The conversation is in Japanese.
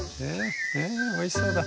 えおいしそうだ。